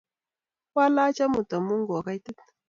Kwalach amut amu ko kaitit